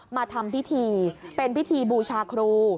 มาทำพิธีเป็นพิธีบูชาครู